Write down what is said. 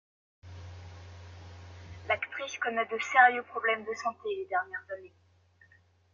L'actrice connait de sérieux problèmes de santé les dernières années.